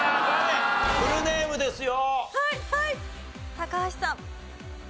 高橋さん。